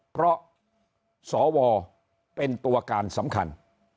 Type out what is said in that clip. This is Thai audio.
เพราะสวเป็นตัวการสำคัญ